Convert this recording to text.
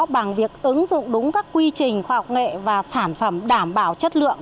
bằng việc ứng dụng đúng các quy trình khoa học nghệ và sản phẩm đảm bảo chất lượng